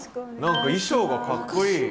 何か衣装がかっこいい。